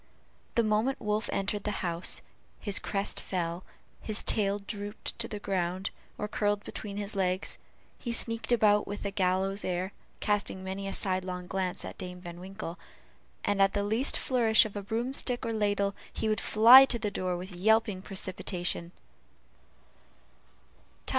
The moment Wolf entered the house, his crest fell, his tail drooped to the ground, or curled between his legs, he sneaked about with a gallows air, casting many a sidelong glance at Dame Van Winkle, and at the least flourish of a broomstick or ladle, he would fly to the door with yelping precipitation.